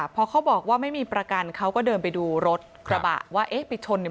พอเขาบอกว่าไม่มีประกันเขาก็เดินไปดูรถกระบะว่าเอ๊ะไปชนเนี่ย